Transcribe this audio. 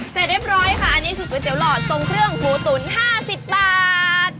เสร็จเรียบร้อยค่ะอันนี้คือก๋วเตี๋หลอดทรงเครื่องหมูตุ๋น๕๐บาท